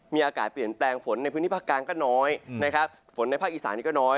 มีอากาศเปลี่ยนแปลงฝนในพื้นที่ภาคกลางก็น้อยนะครับฝนในภาคอีสานนี้ก็น้อย